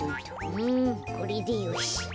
うんこれでよし。